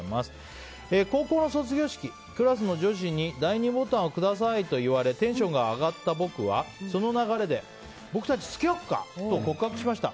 高校の卒業式、クラスの女子に第２ボタンをくださいと言われて、テンションが上がった僕はその流れで僕たち付き合おっか？と告白しました。